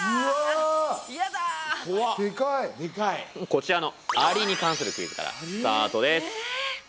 こちらのアリに関するクイズからスタートです。